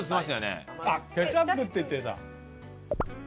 ケチャップって言ってた！